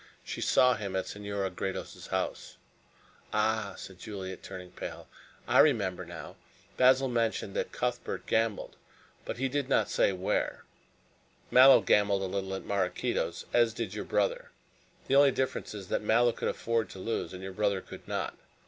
She saw him at Senora Gredos' house " "Ah!" said Juliet, turning pale. "I remember now. Basil mentioned that Cuthbert gambled, but he did not say where." "Mallow gambled a little at Maraquito's, as did your brother. The only difference is that Mallow could afford to lose and your brother could not.